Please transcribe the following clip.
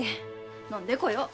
飲んでこよう。